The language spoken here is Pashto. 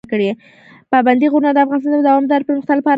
پابندی غرونه د افغانستان د دوامداره پرمختګ لپاره اړین دي.